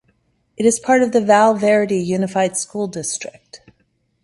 It is part of the Val Verde Unified School District.